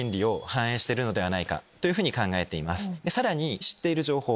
さらに知っている情報。